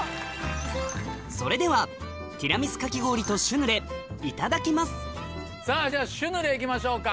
それではティラミスかき氷とシュヌレいただきますさぁじゃあシュヌレいきましょうか。